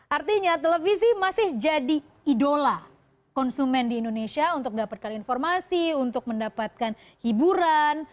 artinya televisi masih jadi idola konsumen di indonesia untuk dapatkan informasi untuk mendapatkan hiburan